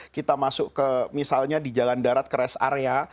kita masuk ke misalnya di jalan darat ke rest area